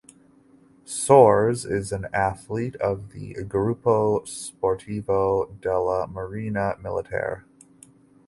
Soares is an athlete of the Gruppo Sportivo della Marina Militare.